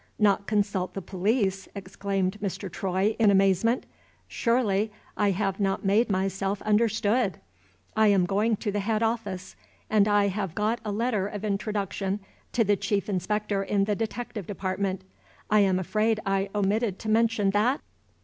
"Not consult the police!" exclaimed Mr. Troy in amazement. "Surely, I have not made myself understood? I am going to the Head Office; and I have got a letter of introduction to the chief inspector in the detective department. I am afraid I omitted to mention that?"